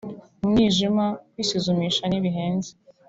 umwijima […] kwisuzumisha ntibihenze